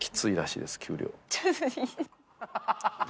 ハハハハ！